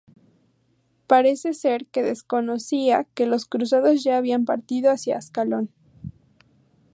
Parece ser que desconocía que los Cruzados ya habían partido hacia Ascalón.